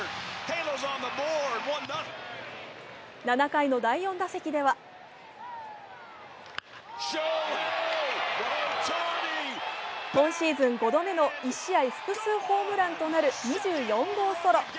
７回の第４打席は今シーズン５度目の１試合複数ホームランとなる２４号ソロ。